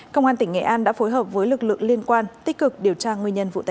công an tỉnh nghệ an đã phối hợp với lực lượng liên quan tích cực điều tra nguyên nhân vụ tai nạn